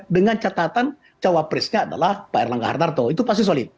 dengan catatan cawapresnya adalah pak erlangga hartarto itu pasti solid